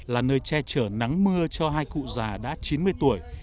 là nơi che chở nắng mưa cho hai cụ già đã chín mươi tuổi